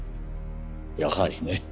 やはりね。